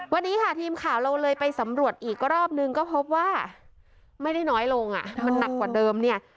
วันนี้ค่ะทีมข่าวเราเลยไปสำรวจอีกรอบนึงก็พบว่าไม่ได้น้อยลงอ่ะมันหนักกว่าเดิมเนี่ย